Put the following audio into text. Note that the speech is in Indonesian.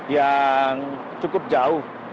yang cukup jauh